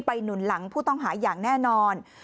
หนุนหลังผู้ต้องหาอย่างแน่นอน